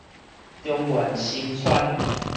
中原新村